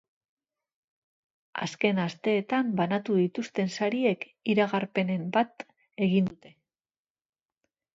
Azken asteetan banatu dituzten sariek iragarpenen bat egin dute.